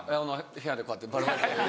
部屋でこうやってバラまいて。